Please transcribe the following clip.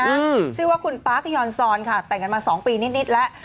ชื่อว่าคุณปาร์คยอนซอนค่ะแต่งกันมาสองปีนิดนิดแล้ว